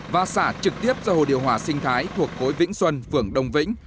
và xả trực tiếp ra hồ điều hòa sinh thái thuộc khối vĩnh xuân phường đông vĩnh